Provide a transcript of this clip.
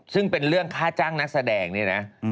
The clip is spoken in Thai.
ซึ่งเป็นเรื่องค่าจ้างนักแสดงเนี่ยนะ